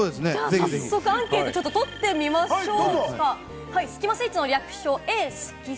早速アンケートをとってみましょう。